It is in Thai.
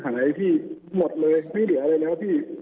คนเงินหายที่หมดเลยไม่เหลียวอะไรเนี่ยครับพี่